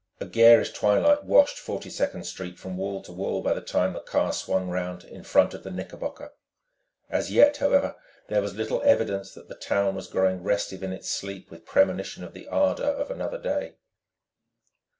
A garish twilight washed Forty second Street from wall to wall by the time the car swung round in front of the Knickerbocker. As yet, however, there was little evidence that the town was growing restive in its sleep with premonition of the ardour of another day.